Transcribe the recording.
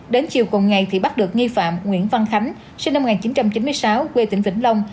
đến chiều cùng ngày thì bắt được nghi phạm nguyễn văn khánh sinh năm một nghìn chín trăm chín mươi sáu quê tỉnh vĩnh long